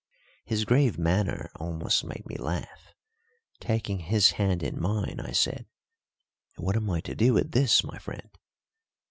His grave manner almost made me laugh. Taking his hand in mine, I said: "What am I to do with this, my friend?"